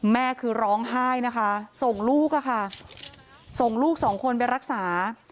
แม่คือร้องไห้นะคะส่งลูกค่ะส่งลูกสองคนไปรักษา